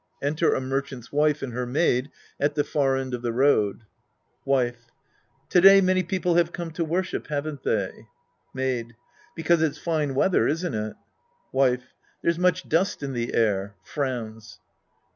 Enter a merchant's Wife and her Maid at the far end of the road.) Wife. To day many people have come to worship, haven't they ? Maid. Because it's fine weather, isn't it ? Wife. There's much dust in the air. {FroTf/ns.)